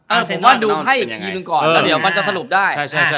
อ่าผมว่าดูไพ่อีกทีก่อนก็จะสรุปได้